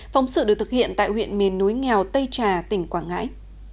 phóng sự được thực hiện tại huyện miền núi nghèo tây trà tỉnh quảng ngãi